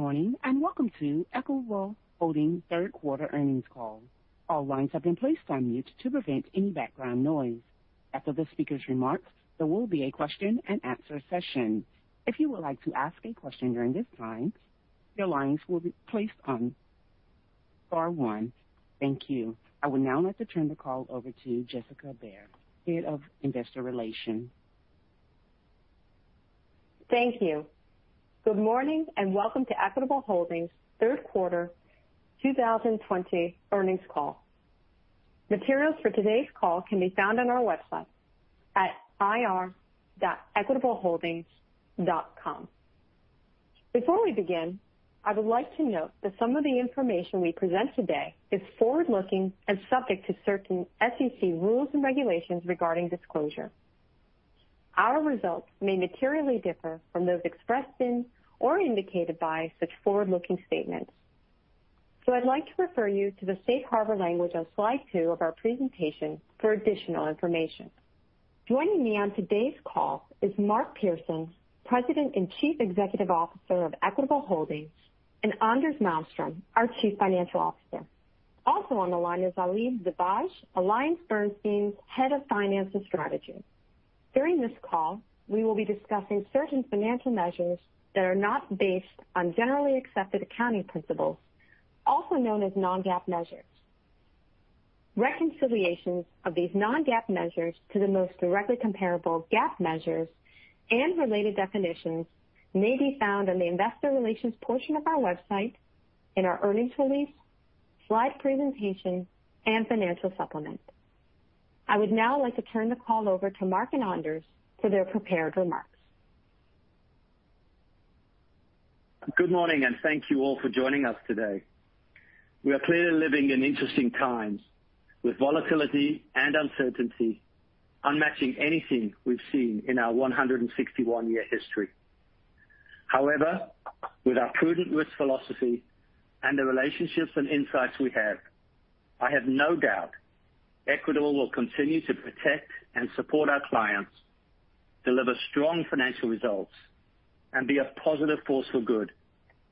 Good morning, and welcome to Equitable Holdings' third-quarter earnings call. All lines have been placed on mute to prevent any background noise. After the speaker's remarks, there will be a question-and-answer session. If you would like to ask a question during this time, your lines will be placed on star 1. Thank you. I would now like to turn the call over to Jessica Baehr, Head of Investor Relations. Thank you. Good morning, and welcome to Equitable Holdings' Q3 2020 earnings call. Materials for today's call can be found on our website at ir.equitableholdings.com. Before we begin, I would like to note that some of the information we present today is forward-looking and subject to certain SEC rules and regulations regarding disclosure. Our results may materially differ from those expressed in or indicated by such forward-looking statements. I'd like to refer you to the Safe Harbor language on slide two of our presentation for additional information. Joining me on today's call is Mark Pearson, President and Chief Executive Officer of Equitable Holdings, and Anders Malmstrom, our Chief Financial Officer. Also on the line is Ali Dibadj, AllianceBernstein's Head of Finance and Strategy. During this call, we will be discussing certain financial measures that are not based on generally accepted accounting principles, also known as non-GAAP measures. Reconciliations of these non-GAAP measures to the most directly comparable GAAP measures and related definitions may be found on the investor relations portion of our website, in our earnings release, slide presentation, and financial supplement. I would now like to turn the call over to Mark and Anders for their prepared remarks. Good morning, and thank you all for joining us today. We are clearly living in interesting times, with volatility and uncertainty unmatching anything we've seen in our 161-year history. However, with our prudent risk philosophy and the relationships and insights we have, I have no doubt Equitable will continue to protect and support our clients, deliver strong financial results, and be a positive force for good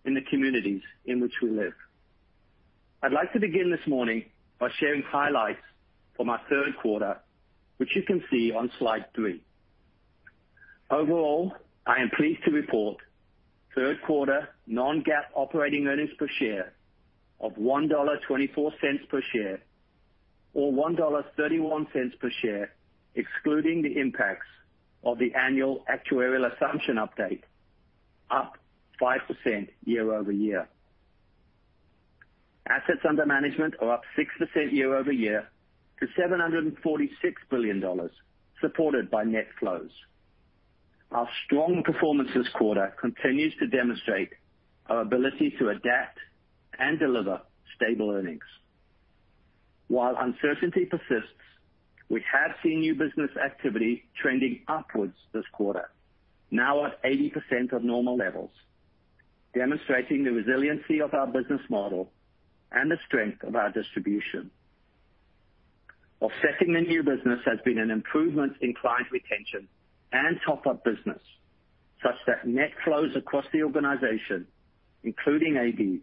in the communities in which we live. I'd like to begin this morning by sharing highlights for my third quarter, which you can see on slide three. Overall, I am pleased to report Q3 non-GAAP operating earnings per share of $1.24 per share, or $1.31 per share excluding the impacts of the annual actuarial assumption update, up 5% year over year. Assets under management are up 6% year over year to $746 billion, supported by net flows. Our strong performance this quarter continues to demonstrate our ability to adapt and deliver stable earnings. While uncertainty persists, we have seen new business activity trending upwards this quarter, now at 80% of normal levels, demonstrating the resiliency of our business model and the strength of our distribution. Offsetting the new business has been an improvement in client retention and top-up business, such that net flows across the organization, including AB,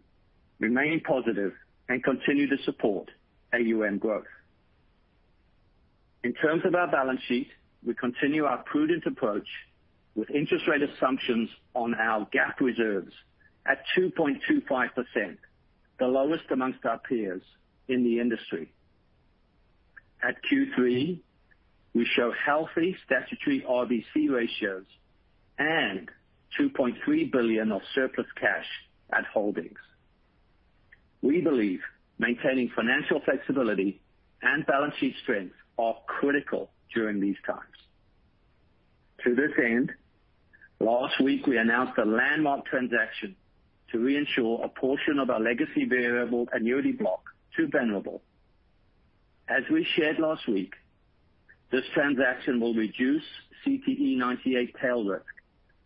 remain positive and continue to support AUM growth. In terms of our balance sheet, we continue our prudent approach with interest rate assumptions on our GAAP reserves at 2.25%, the lowest amongst our peers in the industry. At Q3, we show healthy statutory RBC ratios and $2.3 billion of surplus cash at Equitable Holdings. We believe maintaining financial flexibility and balance sheet strength are critical during these times. To this end, last week we announced a landmark transaction to reinsure a portion of our legacy variable annuity block to Venerable. As we shared last week, this transaction will reduce CTE98 tail risk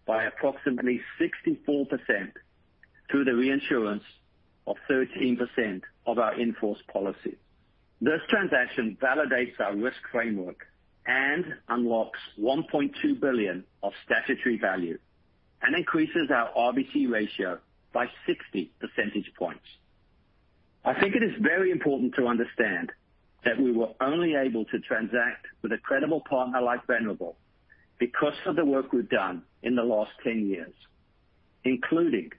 by approximately 64% through the reinsurance of 13% of our in-force policy. This transaction validates our risk framework and unlocks $1.2 billion of statutory value and increases our RBC ratio by 60 percentage points. I think it is very important to understand that we were only able to transact with a credible partner like Venerable because of the work we've done in the last 10 years, including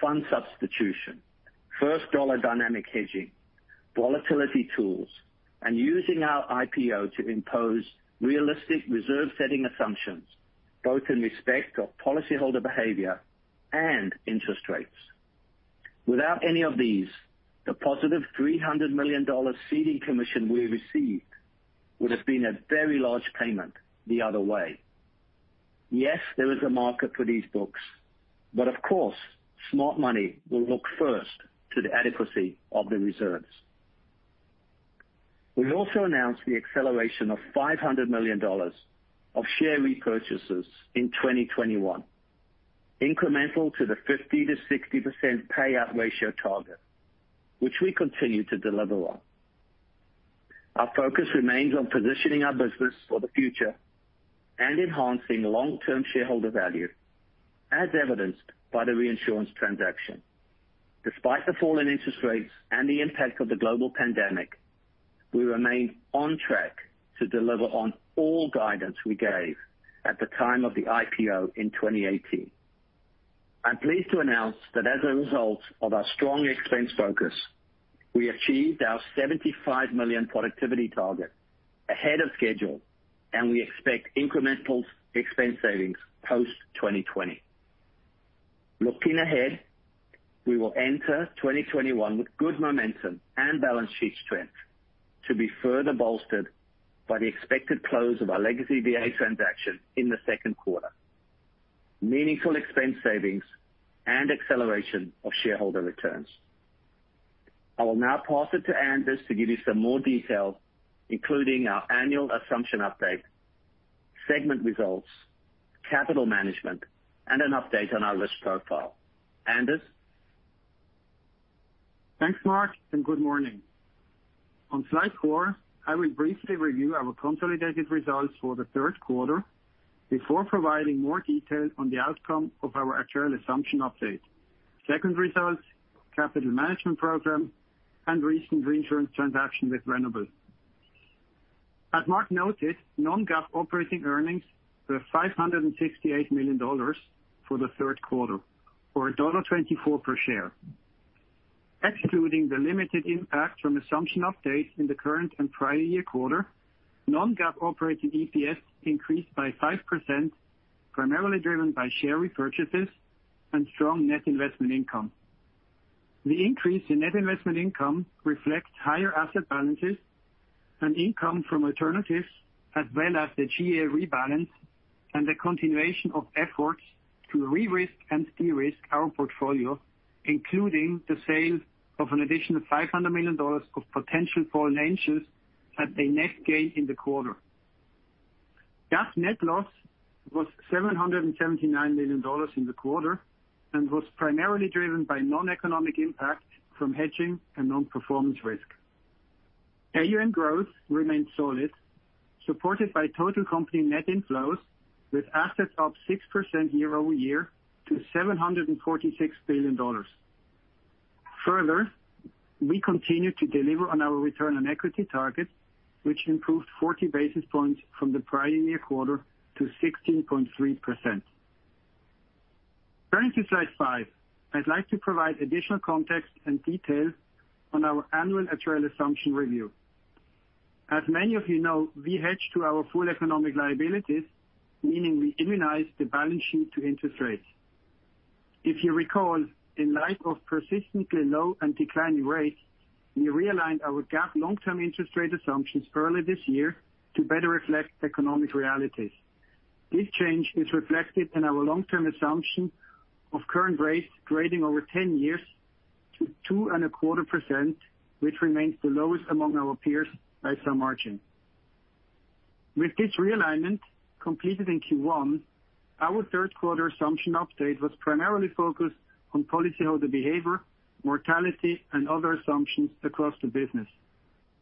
fund substitution, first-dollar dynamic hedging, volatility tools, and using our IPO to impose realistic reserve-setting assumptions, both in respect of policyholder behavior and interest rates. Without any of these, the positive $300 million seeding commission we received would have been a very large payment the other way. Yes, there is a market for these books, of course, smart money will look first to the adequacy of the reserves. We also announced the acceleration of $500 million of share repurchases in 2021, incremental to the 50%-60% payout ratio target, which we continue to deliver on. Our focus remains on positioning our business for the future and enhancing long-term shareholder value, as evidenced by the reinsurance transaction. Despite the fall in interest rates and the impact of the global pandemic, we remain on track to deliver on all guidance we gave at the time of the IPO in 2018. I'm pleased to announce that as a result of our strong expense focus, we achieved our $75 million productivity target ahead of schedule, and we expect incremental expense savings post-2020. Looking ahead, we will enter 2021 with good momentum and balance sheet strength to be further bolstered by the expected close of our legacy VA transaction in the second quarter. Meaningful expense savings and acceleration of shareholder returns. I will now pass it to Anders to give you some more detail, including our annual assumption update, segment results, capital management, and an update on our risk profile. Anders? Thanks, Mark Pearson, and good morning. On slide 4, I will briefly review our consolidated results for the third quarter before providing more detail on the outcome of our actuarial assumption update, segment results, capital management program, and recent reinsurance transaction with Venerable. As Mark Pearson noted, non-GAAP operating earnings were $568 million for the third quarter, or $1.24 per share. Excluding the limited impact from assumption updates in the current and prior year quarter, non-GAAP operating EPS increased by 5%, primarily driven by share repurchases and strong net investment income. The increase in net investment income reflects higher asset balances and income from alternatives, as well as the GA rebalance and the continuation of efforts to re-risk and de-risk our portfolio, including the sale of an additional $500 million of potential fallen angels at a net gain in the quarter. GAAP net loss was $779 million in the quarter and was primarily driven by non-economic impact from hedging and non-performance risk. AUM growth remained solid, supported by total company net inflows, with assets up 6% year-over-year to $746 billion. Further, we continued to deliver on our return on equity target, which improved 40 basis points from the prior year quarter to 16.3%. Turning to slide 5, I'd like to provide additional context and detail on our annual actuarial assumption review. As many of you know, we hedge to our full economic liabilities, meaning we immunize the balance sheet to interest rates. If you recall, in light of persistently low and declining rates, we realigned our GAAP long-term interest rate assumptions earlier this year to better reflect economic realities. This change is reflected in our long-term assumption of current rates grading over 10 years to 2.25%, which remains the lowest among our peers by some margin. With this realignment completed in Q1, our third-quarter assumption update was primarily focused on policyholder behavior, mortality, and other assumptions across the business.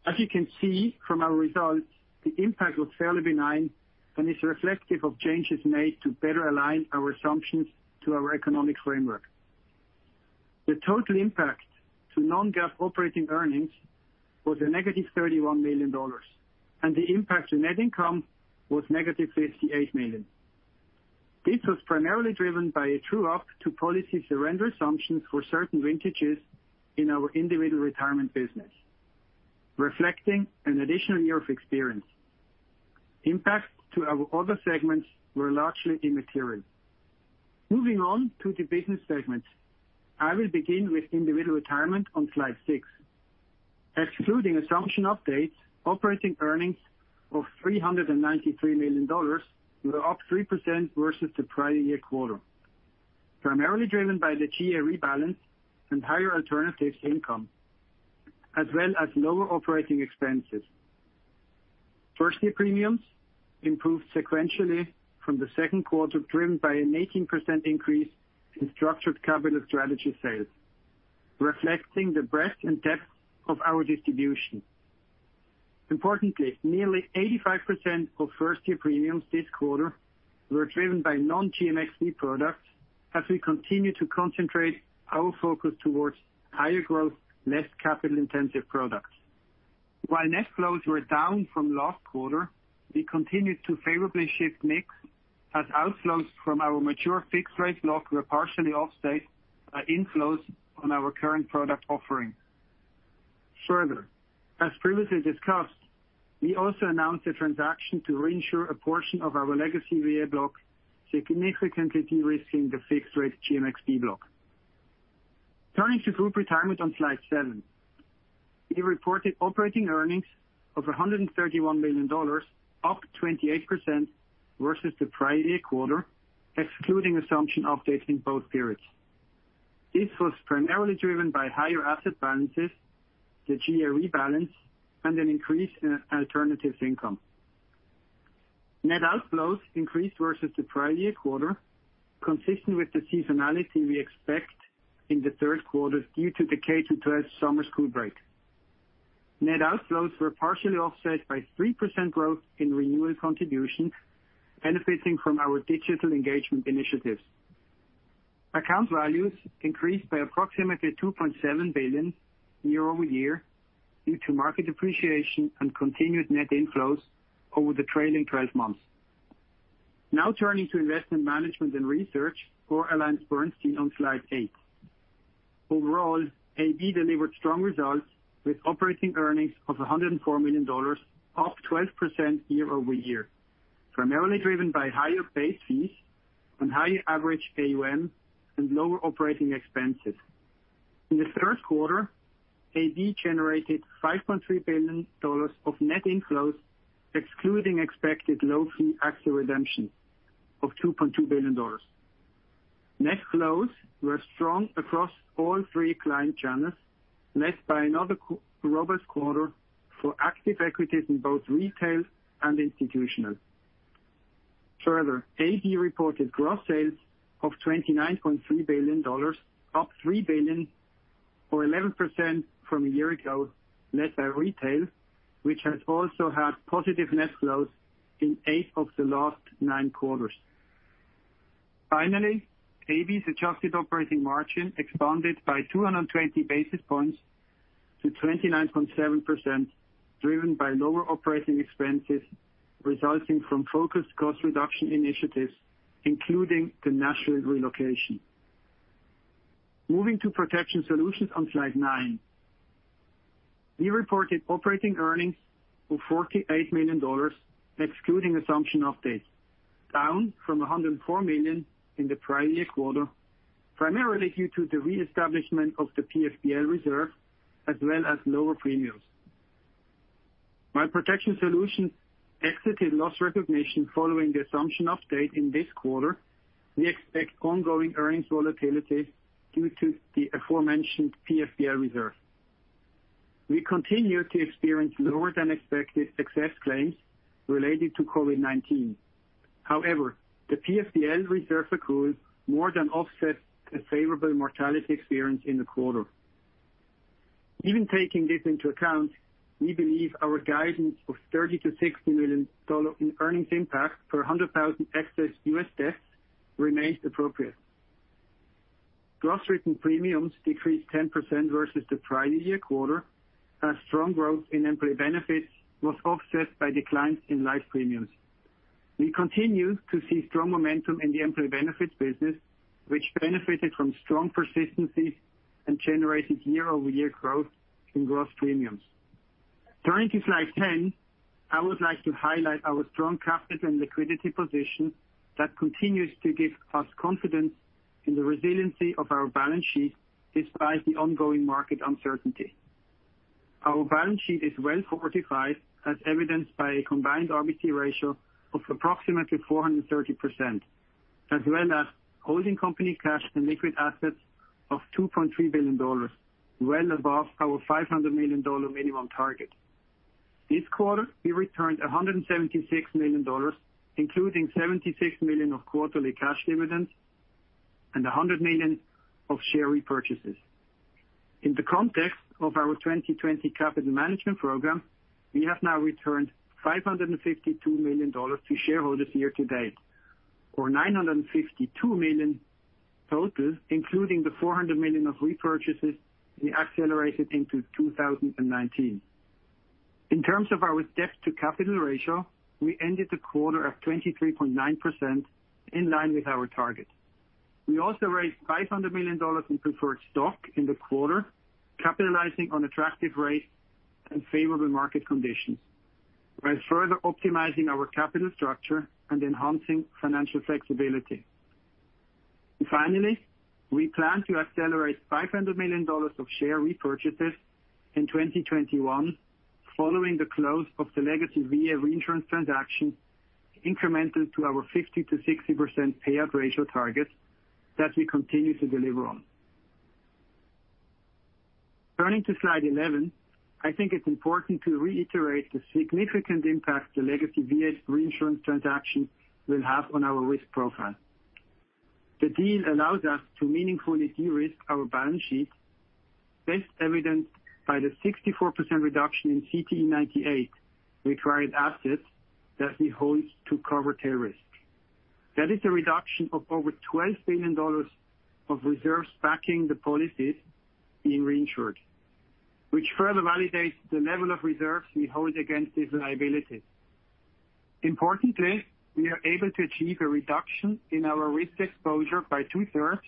As you can see from our results, the impact was fairly benign and is reflective of changes made to better align our assumptions to our economic framework. The total impact to non-GAAP operating earnings was a negative $31 million, and the impact to net income was negative $58 million. This was primarily driven by a true-up to policy surrender assumptions for certain vintages in our Individual Retirement business, reflecting an additional year of experience. Impacts to our other segments were largely immaterial. Moving on to the business segment, I will begin with Individual Retirement on slide 6. Excluding assumption updates, operating earnings of $393 million were up 3% versus the prior year quarter, primarily driven by the GA rebalance and higher alternative income, as well as lower operating expenses. First-year premiums improved sequentially from the second quarter, driven by an 18% increase in Structured Capital Strategies sales, reflecting the breadth and depth of our distribution. Importantly, nearly 85% of first-year premiums this quarter were driven by non-GMxB products, as we continue to concentrate our focus toward higher growth, less capital-intensive products. While net flows were down from last quarter, we continued to favorably shift mix, as outflows from our mature fixed-rate block were partially offset by inflows on our current product offering. Further, as previously discussed, we also announced a transaction to reinsure a portion of our legacy VA block, significantly de-risking the fixed-rate GMxB block. Turning to Group Retirement on slide seven, we reported operating earnings of $131 million, up 28% versus the prior year quarter, excluding assumption updates in both periods. This was primarily driven by higher asset balances, the GA rebalance, and an increase in alternative income. Net outflows increased versus the prior year quarter, consistent with the seasonality we expect in the third quarter due to the K-12 summer school break. Net outflows were partially offset by 3% growth in renewal contributions, benefiting from our digital engagement initiatives. Account values increased by approximately $2.7 billion year-over-year due to market appreciation and continued net inflows over the trailing 12 months. Now turning to investment management and research, or AllianceBernstein on slide eight. Overall, AB delivered strong results with operating earnings of $104 million, up 12% year-over-year, primarily driven by higher base fees and higher average AUM and lower operating expenses. In the third quarter, AB generated $5.3 billion of net inflows, excluding expected low-fee active redemptions of $2.2 billion. Net flows were strong across all three client channels, led by another robust quarter for active equities in both retail and institutional. Further, AB reported gross sales of $29.3 billion, up $3 billion, or 11% from a year ago, led by retail, which has also had positive net flows in eight of the last nine quarters. Finally, AB's adjusted operating margin expanded by 220 basis points to 29.7%, driven by lower operating expenses resulting from focused cost reduction initiatives, including the national relocation. Moving to Protection Solutions on slide nine, we reported operating earnings of $48 million, excluding assumption updates, down from $104 million in the prior year quarter, primarily due to the reestablishment of the PFBL reserve as well as lower premiums. While Protection Solutions exited loss recognition following the assumption update in this quarter, we expect ongoing earnings volatility due to the aforementioned PFBL reserve. We continue to experience lower-than-expected excess claims related to COVID-19. However, the PFBL reserve accrual more than offsets the favorable mortality experience in the quarter. Even taking this into account, we believe our guidance of $30 million to $60 million in earnings impact per 100,000 excess U.S. deaths remains appropriate. Gross written premiums decreased 10% versus the prior year quarter, as strong growth in employee benefits was offset by declines in life premiums. We continue to see strong momentum in the employee benefits business, which benefited from strong persistency and generated year-over-year growth in gross premiums. Turning to slide 10, I would like to highlight our strong capital and liquidity position that continues to give us confidence in the resiliency of our balance sheet despite the ongoing market uncertainty. Our balance sheet is well fortified, as evidenced by a combined RBC ratio of approximately 430%, as well as holding company cash and liquid assets of $2.3 billion, well above our $500 million minimum target. This quarter, we returned $176 million, including $76 million of quarterly cash dividends and $100 million of share repurchases. In the context of our 2020 capital management program, we have now returned $552 million to shareholders year-to-date, or $952 million total, including the $400 million of repurchases we accelerated into 2019. In terms of our debt-to-capital ratio, we ended the quarter at 23.9%, in line with our target. We also raised $500 million in preferred stock in the quarter, capitalizing on attractive rates and favorable market conditions, while further optimizing our capital structure and enhancing financial flexibility. Finally, we plan to accelerate $500 million of share repurchases in 2021, following the close of the legacy VA reinsurance transaction, incremental to our 50%-60% payout ratio target that we continue to deliver on. Turning to slide 11, I think it's important to reiterate the significant impact the legacy VA reinsurance transaction will have on our risk profile. The deal allows us to meaningfully de-risk our balance sheet, best evidenced by the 64% reduction in CTE98 required assets that we hold to cover tail risk. That is a reduction of over $12 billion of reserves backing the policies being reinsured, which further validates the level of reserves we hold against these liabilities. Importantly, we are able to achieve a reduction in our risk exposure by two-thirds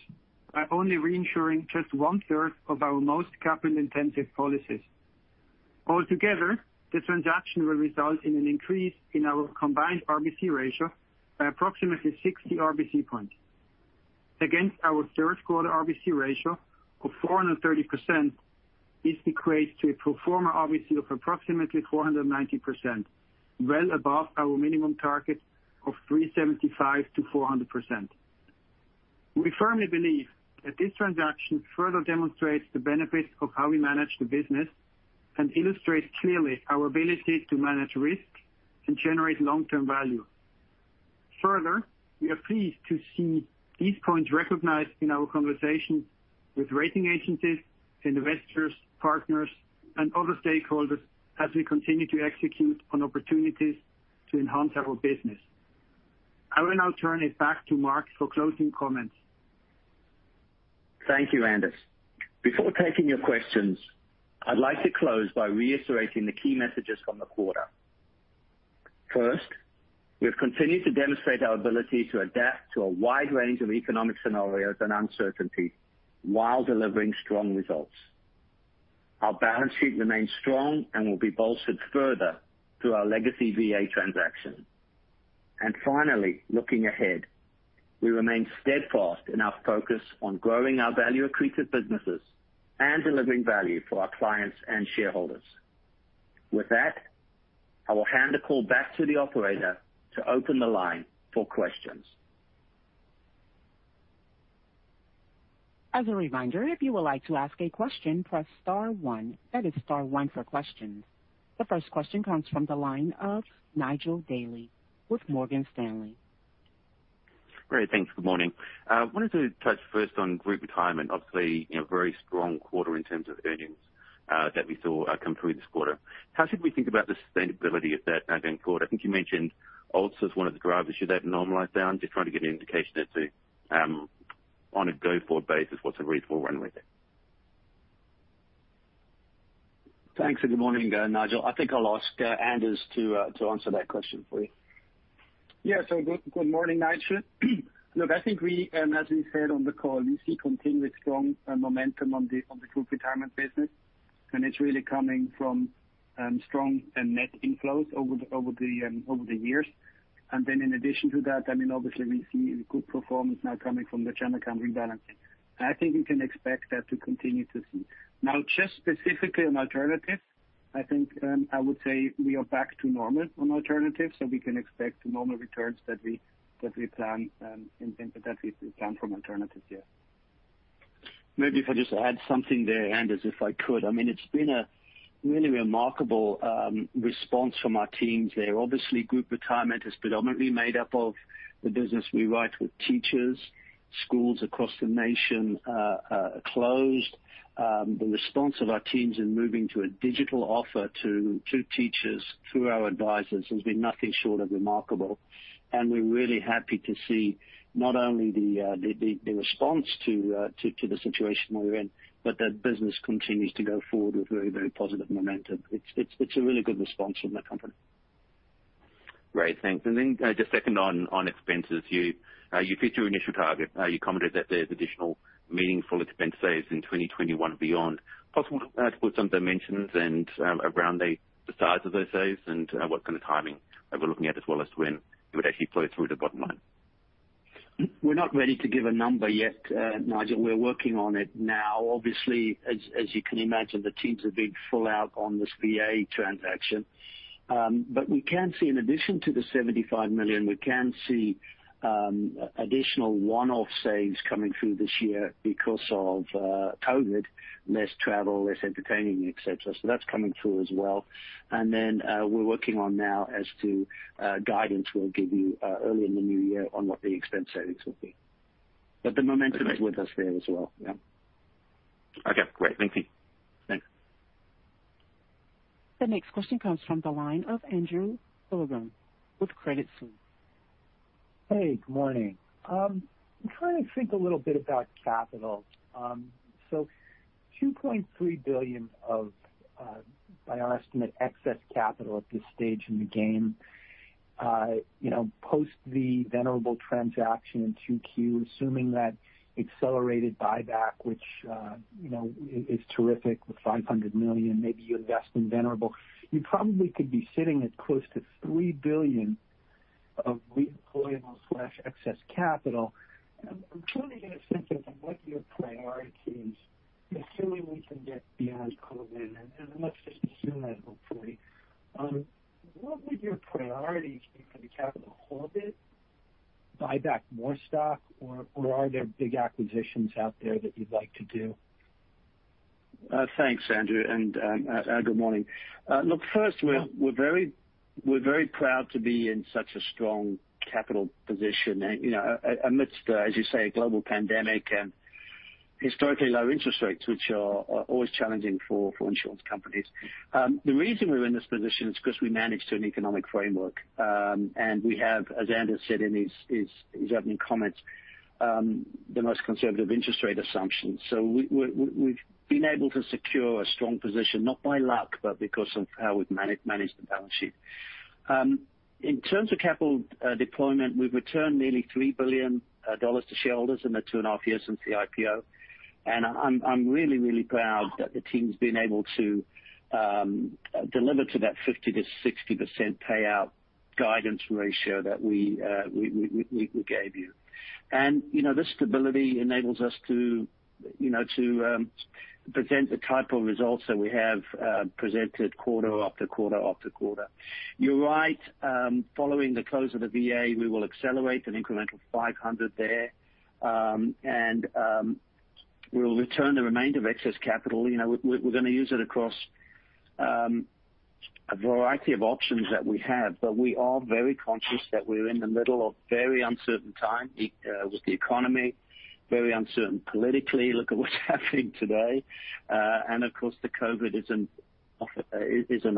by only reinsuring just one-third of our most capital-intensive policies. Altogether, the transaction will result in an increase in our combined RBC ratio by approximately 60 RBC points, against our third-quarter RBC ratio of 430%, which equates to a pro forma RBC of approximately 490%, well above our minimum target of 375%-400%. We firmly believe that this transaction further demonstrates the benefits of how we manage the business and illustrates clearly our ability to manage risk and generate long-term value. We are pleased to see these points recognized in our conversations with rating agencies, investors, partners, and other stakeholders as we continue to execute on opportunities to enhance our business. I will now turn it back to Mark for closing comments. Thank you, Anders. Before taking your questions, I'd like to close by reiterating the key messages from the quarter. First, we have continued to demonstrate our ability to adapt to a wide range of economic scenarios and uncertainty while delivering strong results. Our balance sheet remains strong and will be bolstered further through our legacy VA transaction. Finally, looking ahead, we remain steadfast in our focus on growing our value accretive businesses and delivering value for our clients and shareholders. With that, I will hand the call back to the operator to open the line for questions. As a reminder, if you would like to ask a question, press star 1. That is star 1 for questions. The first question comes from the line of Nigel Dally with Morgan Stanley. Great, thanks. Good morning. I wanted to touch first on Group Retirement. Obviously, a very strong quarter in terms of earnings that we saw come through this quarter. How should we think about the sustainability of that going forward? I think you mentioned also as one of the drivers. Should that normalize down? I am just trying to get an indication as to, on a go-forward basis, what's a reasonable run rate there? Thanks and good morning, Nigel. I think I will ask Anders to answer that question for you. Good morning, Nigel. Look, I think we, as we said on the call, we see continued strong momentum on the Group Retirement business, and it's really coming from strong net inflows over the years. In addition to that, I mean, obviously, we see good performance now coming from the channel account rebalancing. I think we can expect that to continue to see. Just specifically on alternatives, I think I would say we are back to normal on alternatives, so we can expect normal returns that we plan for alternatives, yes. Maybe if I just add something there, Anders, if I could. I mean, it's been a really remarkable response from our teams there. Obviously, Group Retirement is predominantly made up of the business we write with teachers, schools across the nation closed. The response of our teams in moving to a digital offer to teachers through our advisors has been nothing short of remarkable. We're really happy to see not only the response to the situation we're in, but that business continues to go forward with very, very positive momentum. It's a really good response from the company. Great, thanks. Just second on expenses, you picked your initial target. You commented that there's additional meaningful expense saves in 2021 beyond possible to put some dimensions around the size of those saves and what kind of timing we're looking at as well as when it would actually flow through to the bottom line. We're not ready to give a number yet, Nigel. We're working on it now. Obviously, as you can imagine, the teams have been full out on this VA transaction. We can see, in addition to the $75 million, we can see additional one-off saves coming through this year because of COVID, less travel, less entertaining, etc. That's coming through as well. We're working on now as to guidance we'll give you early in the new year on what the expense savings will be. The momentum is with us there as well, yeah. Okay, great. Thank you. Thanks. The next question comes from the line of Andrew Kligerman with Credit Suisse. Hey, good morning. I'm trying to think a little bit about capital. $2.3 billion of, by our estimate, excess capital at this stage in the game, post the Venerable transaction in Q2, assuming that accelerated buyback, which is terrific with $500 million, maybe you invest in Venerable, you probably could be sitting at close to $3 billion of redeployable/excess capital. I'm trying to get a sense of what your priorities are, assuming we can get beyond COVID, and let's just assume that, hopefully. What would your priorities be for the capital, hold it, buy back more stock, or are there big acquisitions out there that you'd like to do? Thanks, Andrew. Good morning. Look, first, we're very proud to be in such a strong capital position amidst, as you say, a global pandemic and historically low interest rates, which are always challenging for insurance companies. The reason we're in this position is because we managed an economic framework. We have, as Anders said in his opening comments, the most conservative interest rate assumptions. We've been able to secure a strong position, not by luck, but because of how we've managed the balance sheet. In terms of capital deployment, we've returned nearly $3 billion to shareholders in the two and a half years since the IPO. I'm really, really proud that the team's been able to deliver to that 50%-60% payout guidance ratio that we gave you. This stability enables us to present the type of results that we have presented quarter after quarter after quarter. You're right, following the close of the VA, we will accelerate an incremental $500 there, and we will return the remainder of excess capital. We're going to use it across a variety of options that we have, but we are very conscious that we're in the middle of very uncertain time with the economy, very uncertain politically. Look at what's happening today. Of course, the COVID isn't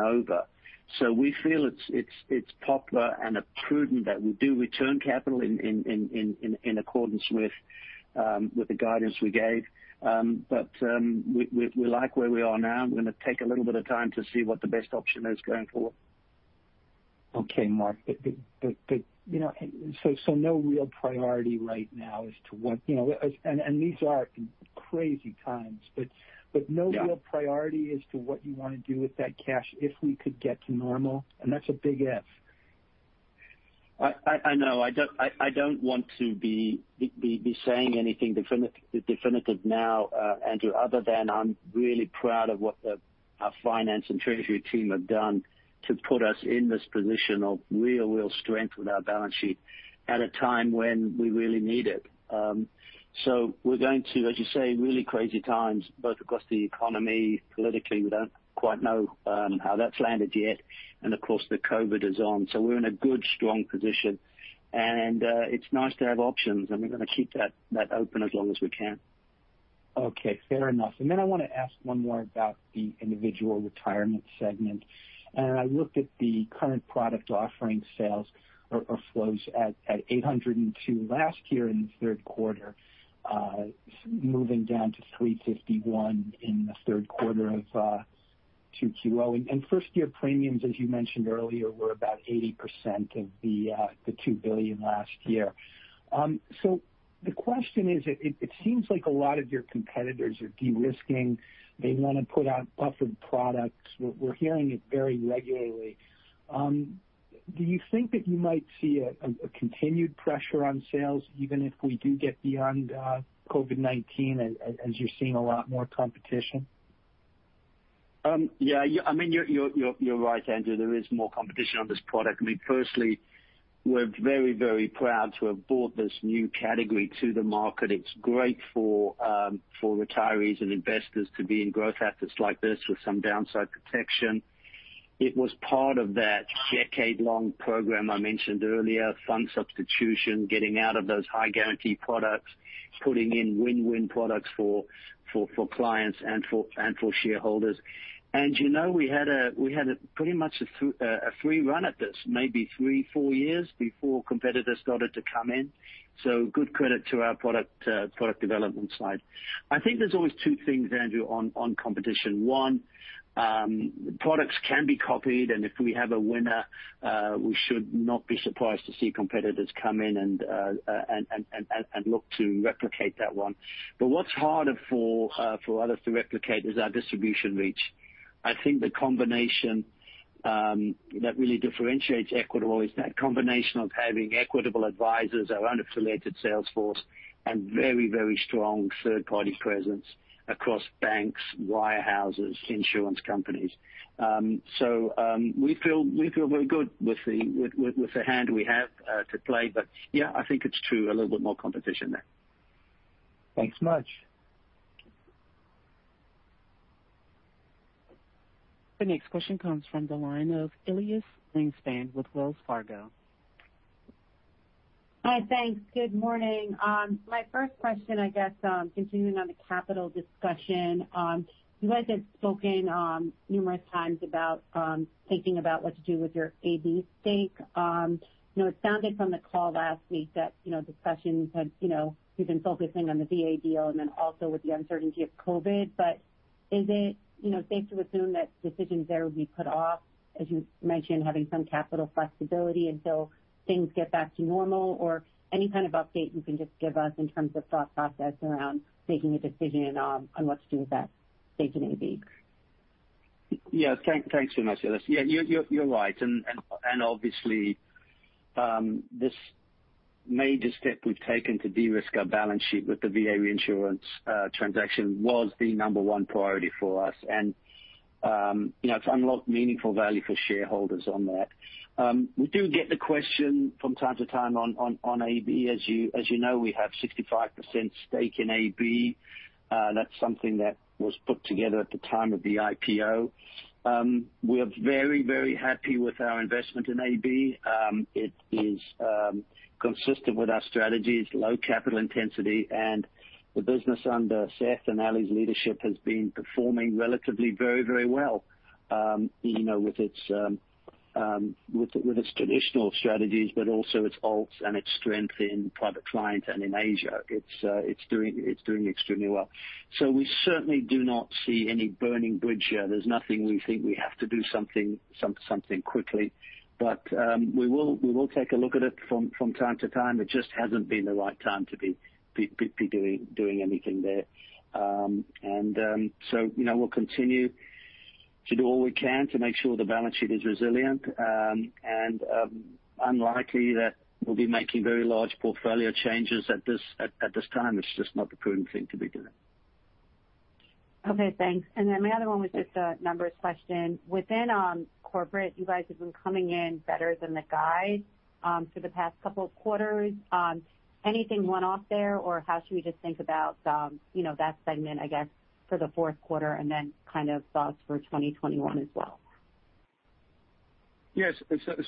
over. We feel it's popular and prudent that we do return capital in accordance with the guidance we gave. We like where we are now, and we're going to take a little bit of time to see what the best option is going forward. Okay, Mark. No real priority right now as to what and these are crazy times, but no real priority as to what you want to do with that cash if we could get to normal? That's a big F. I know. I don't want to be saying anything definitive now, Andrew, other than I'm really proud of what our finance and treasury team have done to put us in this position of real strength with our balance sheet at a time when we really need it. We're going to, as you say, really crazy times, both across the economy, politically, we don't quite know how that's landed yet. Of course, the COVID is on. We're in a good, strong position. It's nice to have options, and we're going to keep that open as long as we can. Okay, fair enough. I want to ask one more about the Individual Retirement segment. I looked at the current product offering sales or flows at 802 last year in the third quarter, moving down to 351 in the third quarter of 2Q. First-year premiums, as you mentioned earlier, were about 80% of the $2 billion last year. The question is, it seems like a lot of your competitors are de-risking. They want to put out buffered products. We're hearing it very regularly. Do you think that you might see a continued pressure on sales, even if we do get beyond COVID-19, as you're seeing a lot more competition? Yeah, I mean, you're right, Andrew. There is more competition on this product. I mean, firstly, we're very, very proud to have brought this new category to the market. It's great for retirees and investors to be in growth assets like this with some downside protection. It was part of that decade-long program I mentioned earlier, fund substitution, getting out of those high-guarantee products, putting in win-win products for clients and for shareholders. We had pretty much a free run at this, maybe three, four years before competitors started to come in. Good credit to our product development side. I think there's always two things, Andrew, on competition. One, products can be copied, and if we have a winner, we should not be surprised to see competitors come in and look to replicate that one. What's harder for others to replicate is our distribution reach. I think the combination that really differentiates Equitable is that combination of having Equitable Advisors, our own affiliated sales force, and very strong third-party presence across banks, wirehouses, insurance companies. We feel very good with the hand we have to play. Yeah, I think it's true, a little bit more competition there. Thanks so much. The next question comes from the line of Elyse Greenspan with Wells Fargo. Hi, thanks. Good morning. My first question, I guess, continuing on the capital discussion, you guys have spoken numerous times about thinking about what to do with your AB stake. It sounded from the call last week that discussions had we've been focusing on the VA deal and then also with the uncertainty of COVID. Is it safe to assume that decisions there would be put off, as you mentioned, having some capital flexibility until things get back to normal? Any kind of update you can just give us in terms of thought process around making a decision on what to do with that stake in AB? Yeah, thanks so much, Elyse. You're right. Obviously, this major step we've taken to de-risk our balance sheet with the VA reinsurance transaction was the number one priority for us. It's unlocked meaningful value for shareholders on that. We do get the question from time to time on AB. As you know, we have 65% stake in AB. That's something that was put together at the time of the IPO. We are very, very happy with our investment in AB. It is consistent with our strategies, low capital intensity, and the business under Seth and Ali's leadership has been performing relatively very, very well with its traditional strategies, but also its ALTS and its strength in private clients and in Asia. It's doing extremely well. We certainly do not see any burning bridge here. There's nothing we think we have to do something quickly. We will take a look at it from time to time. It just hasn't been the right time to be doing anything there. We'll continue to do all we can to make sure the balance sheet is resilient. Unlikely that we'll be making very large portfolio changes at this time. It's just not the prudent thing to be doing. Okay, thanks. My other one was just a numbers question. Within corporate, you guys have been coming in better than the guys for the past couple of quarters. Anything one-off there, or how should we just think about that segment, I guess, for the fourth quarter and then kind of thoughts for 2021 as well? Yes.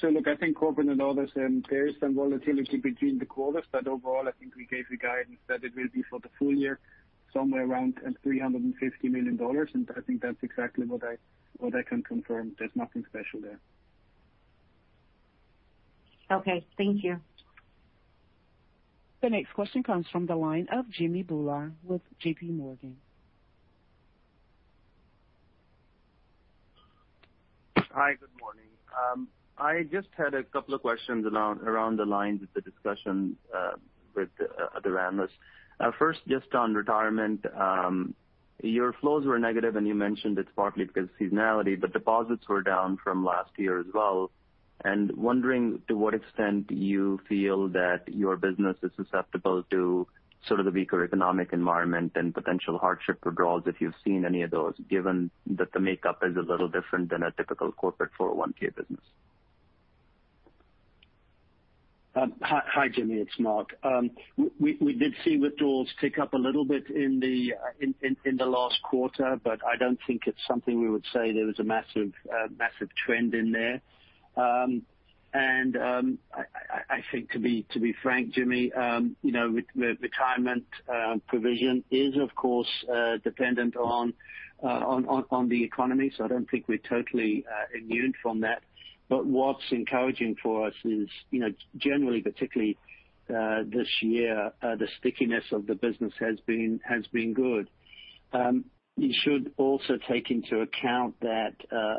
Look, I think corporate and others, there is some volatility between the quarters, but overall, I think we gave the guidance that it will be for the full year somewhere around $350 million. I think that's exactly what I can confirm. There's nothing special there. Okay, thank you. The next question comes from the line of Jimmy Bhullar with JPMorgan. Hi, good morning. I just had a couple of questions around the lines of the discussion with Anders. First, just on retirement, your flows were negative, and you mentioned it's partly because of seasonality, but deposits were down from last year as well. Wondering to what extent you feel that your business is susceptible to sort of the weaker economic environment and potential hardship withdrawals, if you've seen any of those, given that the makeup is a little different than a typical corporate 401(k) business? Hi, Jimmy. It's Mark. We did see withdrawals tick up a little bit in the last quarter, but I don't think it's something we would say there was a massive trend in there. I think, to be frank, Jimmy, retirement provision is, of course, dependent on the economy, so I don't think we're totally immune from that. What's encouraging for us is generally, particularly this year, the stickiness of the business has been good. You should also take into account that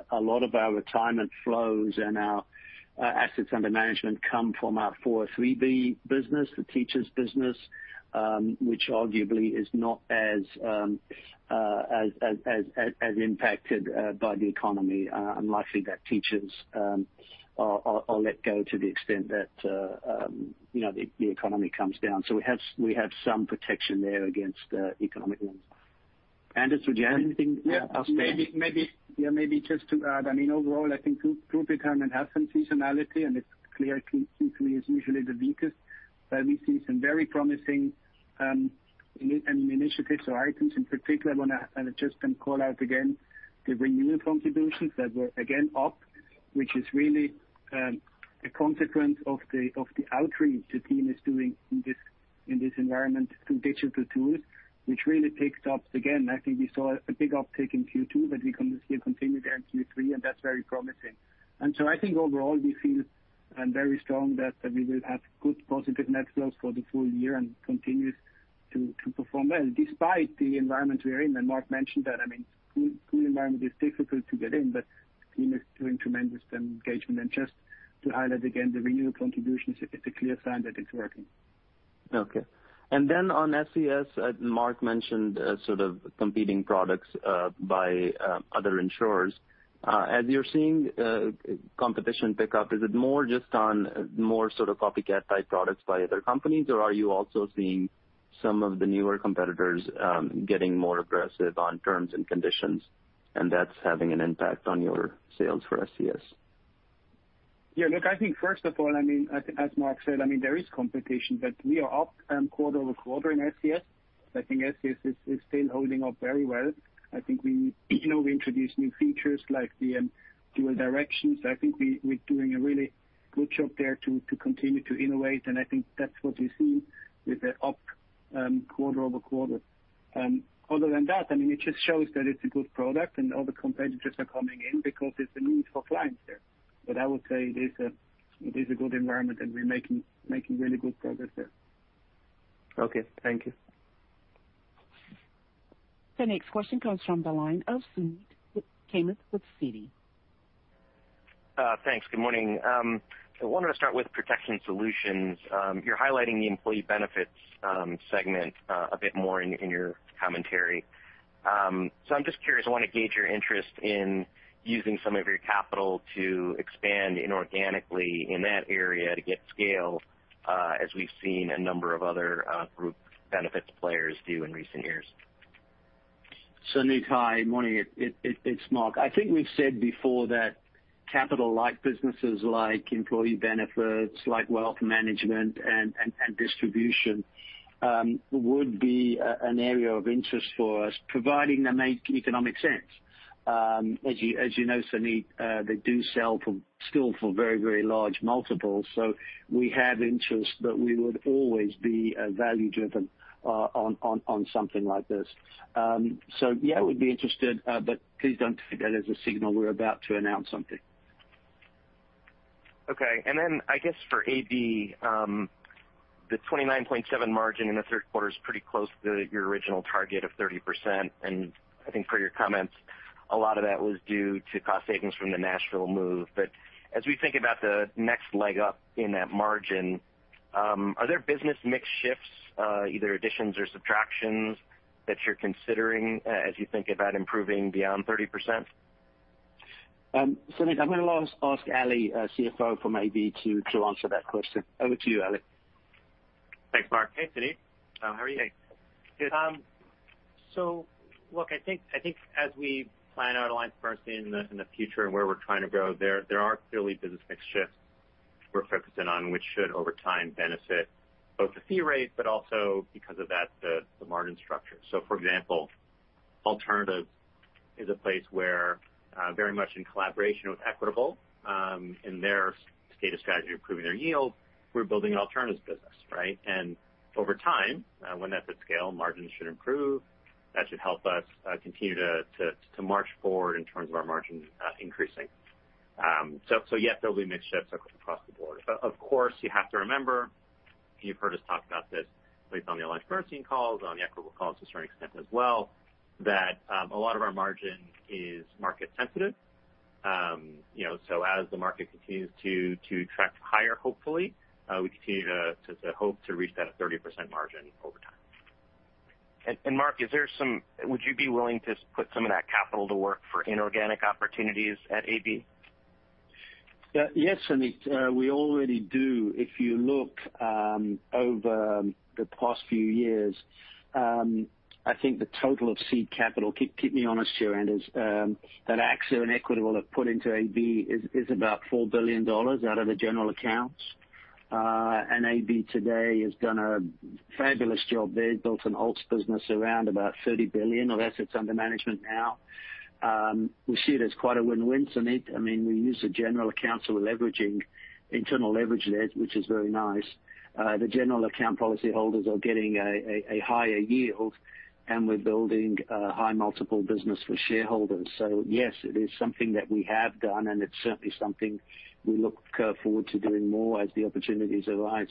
a lot of our retirement flows and our assets under management come from our 403(b) business, the teachers' business, which arguably is not as impacted by the economy. Unlikely that teachers are let go to the extent that the economy comes down. We have some protection there against the economic ones. Anders, would you have anything to add? Yeah, maybe just to add, I mean, overall, I think Group Retirement has some seasonality, and it's clear Q3 is usually the weakest. We see some very promising initiatives or items in particular. I want to just call out again the renewal contributions that were, again, up, which is really a consequence of the outreach the team is doing in this environment through digital tools, which really picked up. Again, I think we saw a big uptick in Q2, we're going to see a continued end Q3, and that's very promising. I think overall, we feel very strong that we will have good positive net flows for the full year and continue to perform well, despite the environment we're in. Mark mentioned that. I mean, pool environment is difficult to get in, the team is doing tremendous engagement. Just to highlight again, the renewal contributions, it's a clear sign that it's working. Okay. On SCS, Mark mentioned sort of competing products by other insurers. As you're seeing competition pick up, is it more just on more sort of copycat-type products by other companies, or are you also seeing some of the newer competitors getting more aggressive on terms and conditions, and that's having an impact on your sales for SCS? Yeah, look, I think first of all, I mean, as Mark said, I mean, there is competition, we are up quarter over quarter in SCS. I think SCS is still holding up very well. I think we introduced new features like the Dual Direction. I think we're doing a really good job there to continue to innovate. I think that's what we've seen with the up quarter over quarter. Other than that, I mean, it just shows that it's a good product, other competitors are coming in because there's a need for clients there. I would say it is a good environment, we're making really good progress there. Okay, thank you. The next question comes from the line of Suneet Kamath with Citi. Thanks. Good morning. I wanted to start with Protection Solutions. You're highlighting the employee benefits segment a bit more in your commentary. I'm just curious. I want to gauge your interest in using some of your capital to expand inorganically in that area to get scale, as we've seen a number of other group benefits players do in recent years. Suneet, hi. Morning. It's Mark. I think we've said before that capital-like businesses like employee benefits, like wealth management, and distribution would be an area of interest for us, providing they make economic sense. As you know, Suneet, they do sell still for very, very large multiples. We have interest, but please don't take that as a signal we're about to announce something. Okay. I guess for AB, the 29.7 margin in the third quarter is pretty close to your original target of 30%. I think for your comments, a lot of that was due to cost savings from the Nashville move. As we think about the next leg up in that margin, are there business mix shifts, either additions or subtractions, that you're considering as you think about improving beyond 30%? Suneet, I'm going to ask Ali, CFO from AB, to answer that question. Over to you, Ali. Thanks, Mark. Hey, Suneet. How are you? Hey. Good. Look, I think as we plan our lines first in the future and where we're trying to go, there are clearly business mix shifts we're focusing on, which should over time benefit both the fee rate, but also because of that, the margin structure. For example, Alternative is a place where very much in collaboration with Equitable in their state of strategy of proving their yield, we're building an alternative business, right? Over time, when that's at scale, margins should improve. That should help us continue to march forward in terms of our margin increasing. Yes, there'll be mix shifts across the board. Of course, you have to remember, and you've heard us talk about this based on the AllianceBernstein calls, on the Equitable calls to a certain extent as well, that a lot of our margin is market-sensitive. As the market continues to track higher, hopefully, we continue to hope to reach that 30% margin over time. Mark, would you be willing to put some of that capital to work for inorganic opportunities at AB? Suneet, we already do. If you look over the past few years, I think the total of seed capital keep me honest, Sharon, is that AXA and Equitable have put into AB is about $4 billion out of the general accounts. AB today has done a fabulous job there. They've built an ALTS business around about $30 billion of assets under management now. We see it as quite a win-win, Suneet. I mean, we use the general accounts, we're leveraging internal leverage there, which is very nice. The general account policy holders are getting a higher yield, and we're building a high multiple business for shareholders. Yes, it is something that we have done, and it's certainly something we look forward to doing more as the opportunities arise.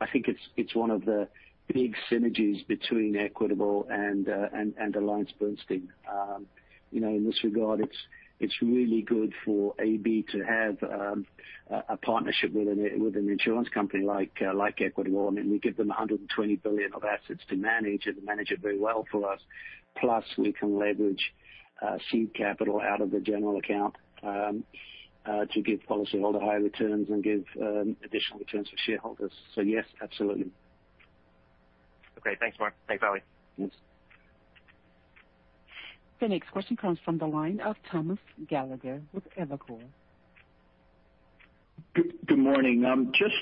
I think it's one of the big synergies between Equitable and AllianceBernstein. In this regard, it's really good for AB to have a partnership with an insurance company like Equitable. I mean, we give them $120 billion of assets to manage, and they manage it very well for us. Plus, we can leverage seed capital out of the general account to give policyholder high returns and give additional returns for shareholders. Yes, absolutely. Okay. Thanks, Mark. Thanks, Ali. Yes. The next question comes from the line of Thomas Gallagher with Evercore. Good morning. Just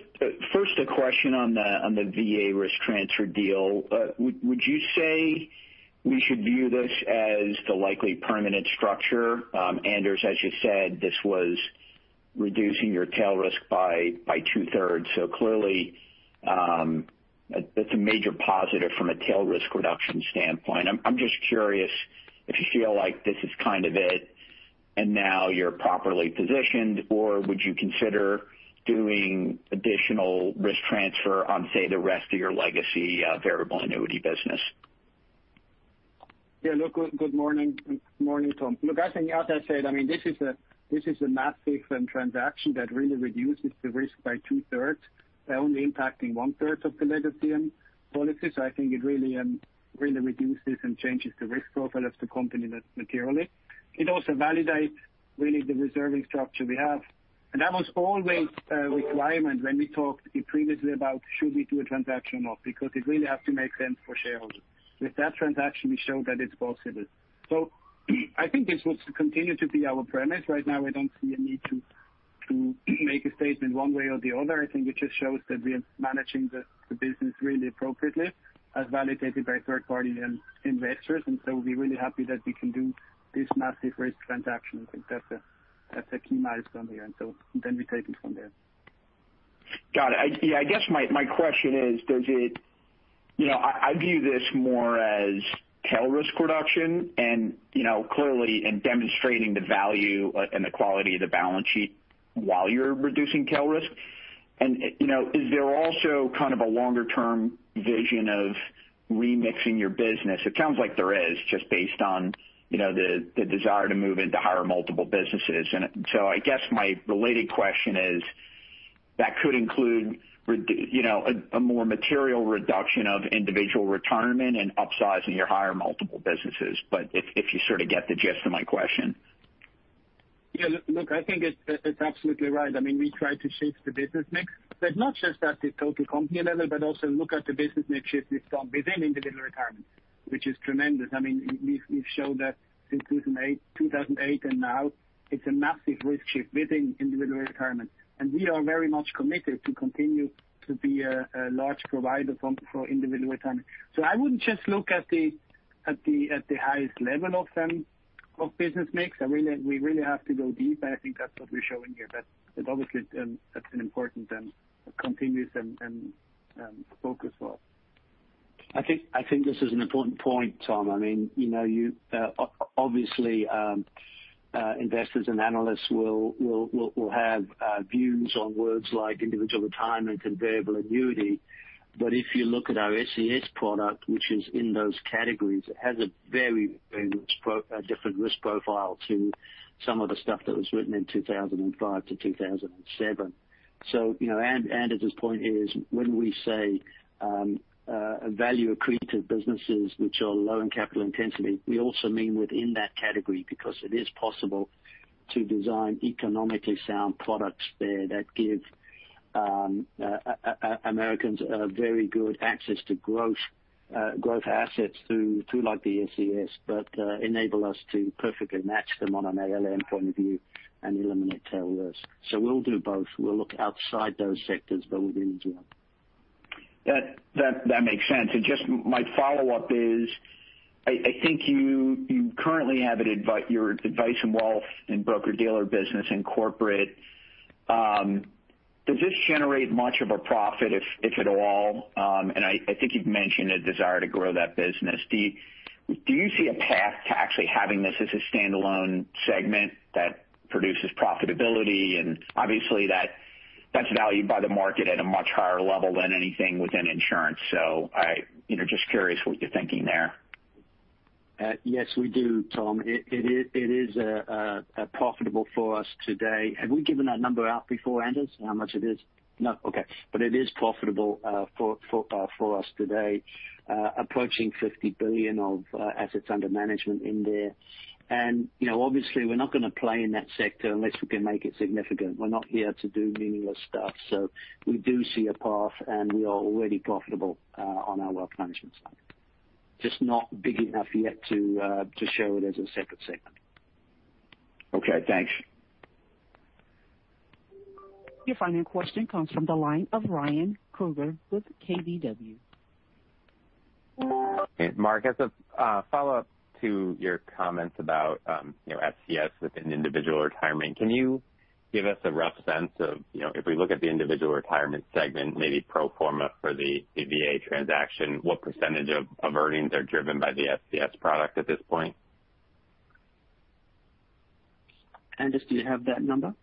first a question on the VA risk transfer deal. Would you say we should view this as the likely permanent structure? Anders, as you said, this was reducing your tail risk by two-thirds. Clearly, that's a major positive from a tail risk reduction standpoint. I'm just curious if you feel like this is kind of it and now you're properly positioned, or would you consider doing additional risk transfer on, say, the rest of your legacy variable annuity business? Yeah, look, good morning. Good morning, Tom. Look, I think, as I said, I mean, this is a massive transaction that really reduces the risk by two-thirds, only impacting one-third of the legacy policies. I think it really reduces and changes the risk profile of the company materially. It also validates really the reserving structure we have. That was always a requirement when we talked previously about, should we do a transaction or not, because it really has to make sense for shareholders. With that transaction, we showed that it's possible. I think this will continue to be our premise. Right now, I don't see a need to make a statement one way or the other. I think it just shows that we're managing the business really appropriately, as validated by third-party investors. We're really happy that we can do this massive risk transaction. I think that's a key milestone here. We take it from there. Got it. I guess my question is, does it? I view this more as tail risk reduction and clearly in demonstrating the value and the quality of the balance sheet while you're reducing tail risk. Is there also kind of a longer-term vision of remixing your business? It sounds like there is, just based on the desire to move into higher multiple businesses. I guess my related question is, that could include a more material reduction of Individual Retirement and upsizing your higher multiple businesses, if you sort of get the gist of my question. Look, I think it's absolutely right. I mean, we try to shift the business mix, but not just at the total company level, but also look at the business mix shift we've done within Individual Retirement, which is tremendous. I mean, we've shown that since 2008 and now, it's a massive risk shift within Individual Retirement. We are very much committed to continue to be a large provider for Individual Retirement. I would not just look at the highest level of business mix. We really have to go deep, and I think that's what we're showing here. Obviously, that's an important continuous focus for us. I think this is an important point, Tom. I mean, obviously, investors and analysts will have views on words like Individual Retirement and variable annuity. If you look at our SCS product, which is in those categories, it has a very different risk profile to some of the stuff that was written in 2005 to 2007. Anders' point is, when we say value accretive businesses, which are low in capital intensity, we also mean within that category because it is possible to design economically sound products there that give Americans very good access to growth assets through the SCS, but enable us to perfectly match them on an ALM point of view and eliminate tail risk. We will do both. We will look outside those sectors, but within as well. That makes sense. My follow-up is, I think you currently have your advice in wealth and broker-dealer business in corporate. Does this generate much of a profit, if at all? I think you've mentioned a desire to grow that business. Do you see a path to actually having this as a standalone segment that produces profitability? Obviously, that's valued by the market at a much higher level than anything within insurance. I'm just curious what you're thinking there. Yes, we do, Tom. It is profitable for us today. Have we given that number out before, Anders? How much it is? No. Okay. It is profitable for us today, approaching 50 billion of assets under management in there. Obviously, we're not going to play in that sector unless we can make it significant. We're not here to do meaningless stuff. We do see a path, and we are already profitable on our wealth management side. Just not big enough yet to show it as a separate segment. Okay. Thanks. Your final question comes from the line of Ryan Krueger with KBW. Mark, as a follow-up to your comments about SCS within Individual Retirement, can you give us a rough sense of if we look at the Individual Retirement segment, maybe pro forma for the VA transaction, what percentage of earnings are driven by the SCS product at this point? Anders, do you have that number?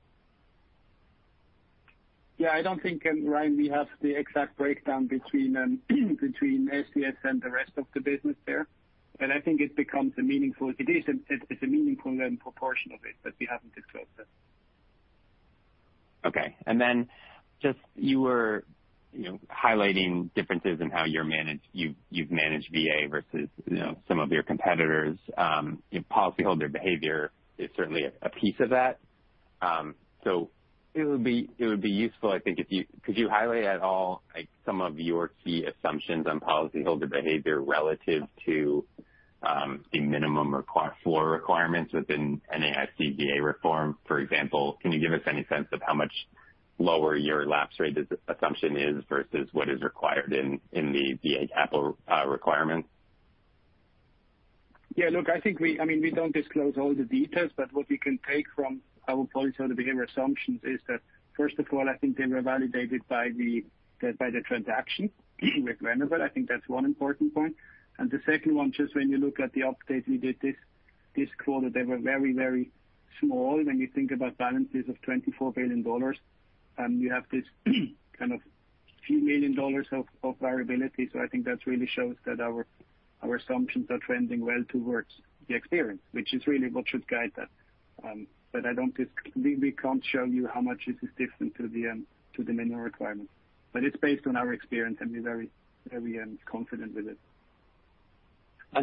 Yeah, I don't think, Ryan, we have the exact breakdown between SCS and the rest of the business there. I think it is a meaningful proportion of it, but we haven't disclosed that. Okay. Then just you were highlighting differences in how you've managed VA versus some of your competitors. Policyholder behavior is certainly a piece of that. It would be useful, I think, if you could you highlight at all some of your key assumptions on policyholder behavior relative to the minimum or floor requirements within NAIC VA reform? For example, can you give us any sense of how much lower your lapse rate assumption is versus what is required in the VA capital requirements? Yeah, look, I mean, we don't disclose all the details, but what we can take from our policyholder behavior assumptions is that, first of all, I think they were validated by the transaction with Venerable. I think that's one important point. The second one, just when you look at the update we did this quarter, they were very, very small. When you think about balances of $24 billion, you have this kind of few million dollars of variability. I think that really shows that our assumptions are trending well towards the experience, which is really what should guide that. We can't show you how much this is different to the minimum requirements. It's based on our experience, and we're very confident with it.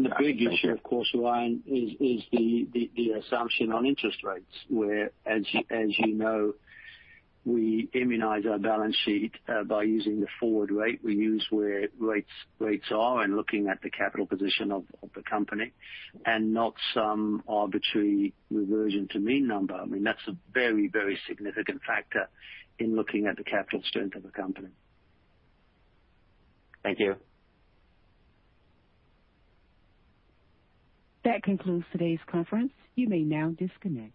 The big issue, of course, Ryan, is the assumption on interest rates, where, as you know, we immunize our balance sheet by using the forward rate we use where rates are and looking at the capital position of the company and not some arbitrary reversion to mean number. I mean, that's a very, very significant factor in looking at the capital strength of a company. Thank you. That concludes today's conference. You may now disconnect.